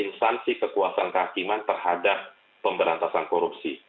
instansi kekuasaan kehakiman terhadap pemberantasan korupsi